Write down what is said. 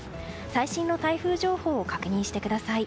最新の台風情報を確認してください。